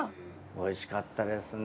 おいしかったですね。